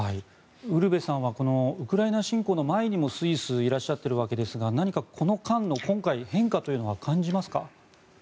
ウルヴェさんはウクライナ侵攻の前にもスイスにいらっしゃっているわけですが何かこの間の今回変化というのは感じますか？